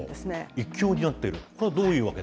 一強になってる？